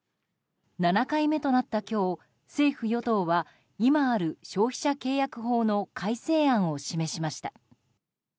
７回目となった今日政府・与党は今ある消費者契約法の改正案を示しました。